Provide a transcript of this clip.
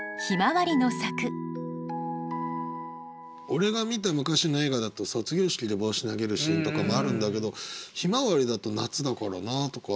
俺が見た昔の映画だと卒業式で帽子投げるシーンとかもあるんだけど「向日葵」だと夏だからなあとか。